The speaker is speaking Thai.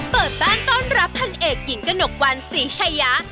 เปิดบ้านต้อนรับพันเอกหญิงกระหนกวันศรีชายะ